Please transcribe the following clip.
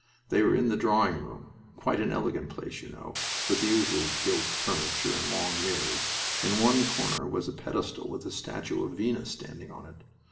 They were in the drawing room, quite an elegant place, you know, with the usual gilt furniture and long mirrors. In one corner was a pedestal, with a statue of Venus standing on it.